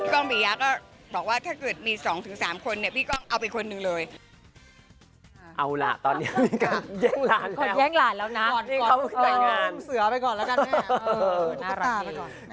ก้องมียาก็บอกว่าถ้าเกิด